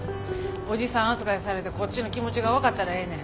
おじさん扱いされてこっちの気持ちが分かったらええねん。